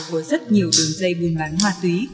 của rất nhiều đường dây buôn bán hoa túy